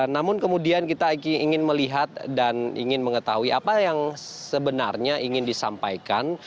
namun kemudian kita ingin melihat dan ingin mengetahui apa yang sebenarnya ingin disampaikan